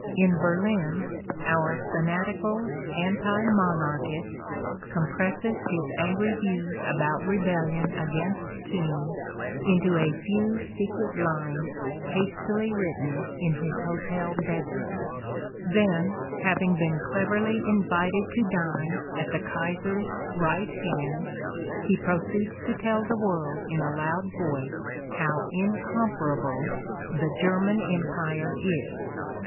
In Berlin our fanatical anti monarchist com presses his angry views about rebellion against kings into a few secret lines hastily written in his hotel bed room: then, having been cleverly invited to dine at the Kaiser's right hand, he proceeds to tell the world in a loud voice how incomparable the German Empire is.